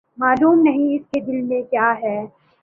معلوم نہیں، اس کے دل میں کیاہے؟